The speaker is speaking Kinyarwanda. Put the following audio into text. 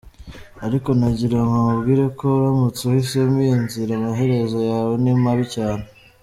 Ariko nagirango nkubwire ko uramutse uhisemo iyi nzira, amaherezo yawe ni mabi cyane.